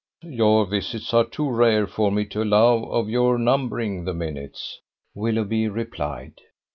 "Your visits are too rare for me to allow of your numbering the minutes," Willoughby replied.